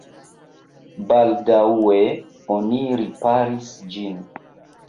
Baldaŭe oni riparis ĝin.